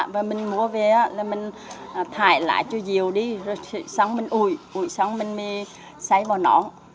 và mình mua về mình thải lại cho nhiều đi xong mình ủi xong mình xáy vào nón